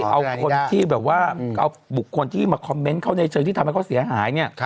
เอาคนที่แบบว่าเอาบุคคลที่มาคอมเมนต์เขาในเชิงที่ทำให้เขาเสียหายเนี่ย